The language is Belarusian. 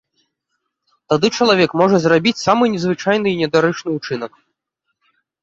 Тады чалавек можа зрабіць самы незвычайны і недарэчны ўчынак.